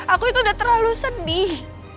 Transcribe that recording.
aku itu udah terlalu sedih